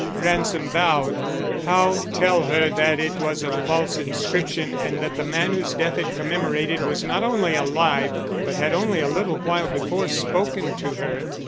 Ransom bowed. How tell her that it was a false inscription and that the man whose death it commemorated was not only alive but had only a little while before spoken to her.